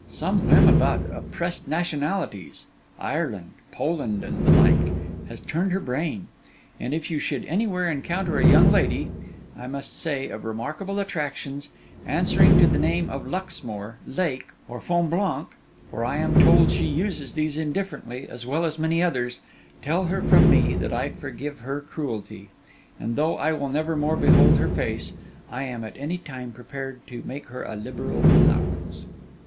Some whim about oppressed nationalities—Ireland, Poland, and the like—has turned her brain; and if you should anywhere encounter a young lady (I must say, of remarkable attractions) answering to the name of Luxmore, Lake, or Fonblanque (for I am told she uses these indifferently, as well as many others), tell her, from me, that I forgive her cruelty, and though I will never more behold her face, I am at any time prepared to make her a liberal allowance.